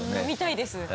見たいです。